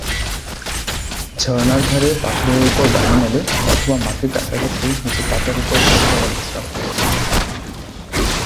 ঝর্ণার ধারে পাথরের উপর ডানা মেলে অথবা মাটির কাছাকাছি নিচু পাতার উপর বসে এরা বিশ্রাম করে।